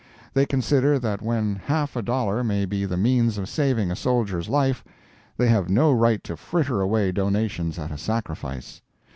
They consider that when half a dollar may be the means of saving a soldier's life, they have no right to fritter away donations at a sacrifice.